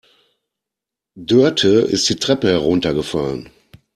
Dörte ist die Treppe heruntergefallen.